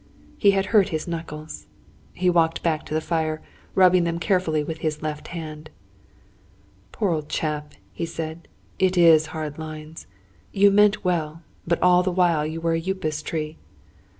He had hurt his knuckles. He walked back to the fire, rubbing them carefully with his left hand. "Poor old chap," he said. "It is hard lines! You meant well; but all the while you were a Upas tree.